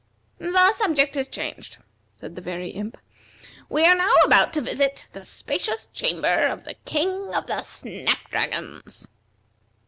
"The subject is changed," said the Very Imp. "We are now about to visit the spacious chamber of the King of the Snap dragons."